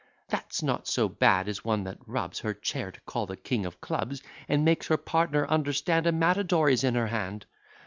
"That's not so bad as one that rubs Her chair to call the king of clubs; And makes her partner understand A matadore is in her hand."